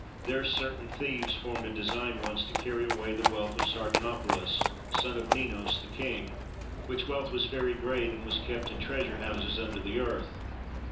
There certain thieves formed a design once to carry away the wealth of Sardanapallos son of Ninos, the king, which wealth was very great and was kept in treasure houses under the earth.